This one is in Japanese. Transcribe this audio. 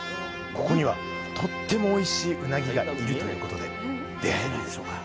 ここにはとってもおいしいうなぎがいるということで出会えるんでしょうか。